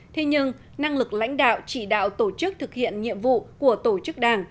thế nhưng năng lực lãnh đạo chỉ đạo tổ chức thực hiện nhiệm vụ của tổ chức đảng